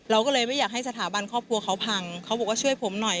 เราก็เลยไม่อยากให้สถาบันครอบครัวเขาพังเขาบอกว่าช่วยผมหน่อย